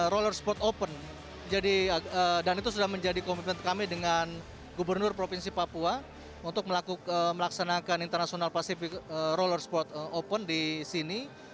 roller sport open dan itu sudah menjadi komitmen kami dengan gubernur provinsi papua untuk melaksanakan international pacific roller sport open di sini